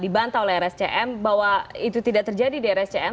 dibantah oleh rscm bahwa itu tidak terjadi di rscm